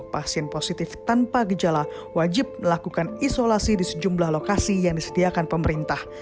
pasien positif tanpa gejala wajib melakukan isolasi di sejumlah lokasi yang disediakan pemerintah